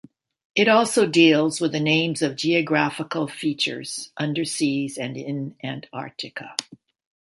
It also deals with the names of geographical features underseas and in Antarctica.